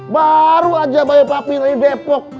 baru aja bayar papi dari depok